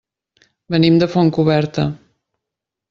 Venim de Fontcoberta.